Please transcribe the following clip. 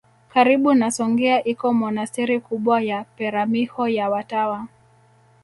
Karibu na Songea iko monasteri kubwa ya Peramiho ya watawa